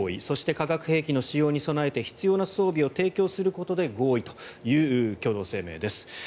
そして化学兵器の使用に備えて必要な整備を提供することで合意という共同声明です。